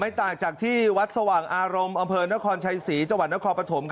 ต่างจากที่วัดสว่างอารมณ์อำเภอนครชัยศรีจังหวัดนครปฐม